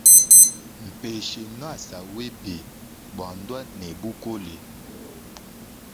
Mpeshe ngasa webe bwa ndwe ne bukole.